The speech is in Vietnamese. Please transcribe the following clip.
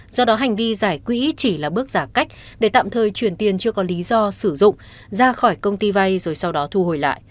do đó hành vi giải quỹ chỉ là bước giả cách để tạm thời chuyển tiền chưa có lý do sử dụng ra khỏi công ty vay rồi sau đó thu hồi lại